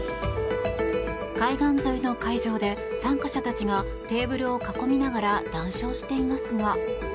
海岸沿いの会場で参加者たちがテーブルを囲みながら談笑していますが。